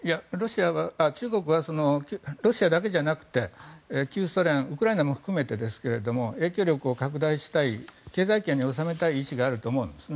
中国はロシアだけじゃなくて旧ソ連ウクライナも含めてですが影響力を拡大したい経済圏に収めたい意思があると思うんですね。